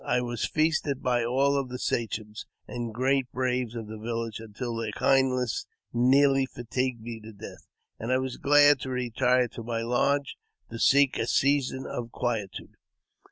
I was feasted by all the saclaems and great braves of the village until their kindness nearly fatigued me to death, and I was glad to retire to my lodge to seek a season of quietude.